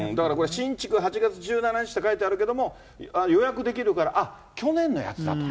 新築、８月１７日って書いてあるけれども、予約できるから、あっ、去年のやつだと。